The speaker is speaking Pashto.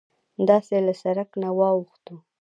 داسې له سرک نه واوښتوو.